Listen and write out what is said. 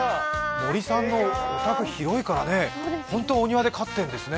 盛さんのお宅は広いから、本当にお庭で飼ってるんですね。